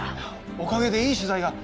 おかげでいい取材が。